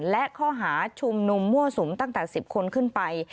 และข้อหาชุมนุมมั่วสุมตั้งแต่๑๐คนขึ้นไป